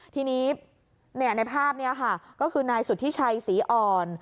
ทีนี้ในภาพนี้ค่ะก็คือนายสุธิชัยศรีอ่อน